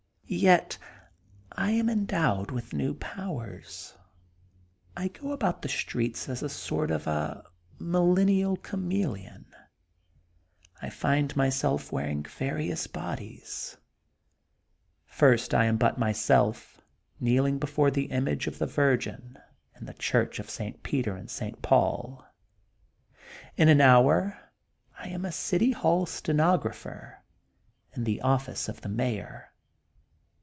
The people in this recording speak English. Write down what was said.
Yet I am endowed with new powers. I go about the streets as a sort of a millennial chameleon. I find myself wearing various bodies. First I am but myself, kneeling be fore the Image of the Virgin, in the church of St. Peter and St. Paul. In an hour I am a City Hall stenographer, in the office of the Mayor.